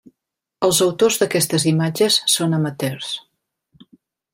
Els autors d'aquestes imatges són amateurs.